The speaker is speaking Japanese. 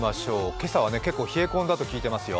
今朝は結構冷え込んだと聞いていますよ。